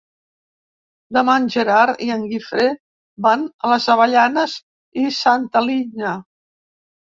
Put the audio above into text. Demà en Gerard i en Guifré van a les Avellanes i Santa Linya.